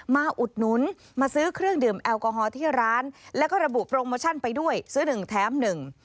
อุดหนุนมาซื้อเครื่องดื่มแอลกอฮอล์ที่ร้านแล้วก็ระบุโปรโมชั่นไปด้วยซื้อหนึ่งแถมหนึ่ง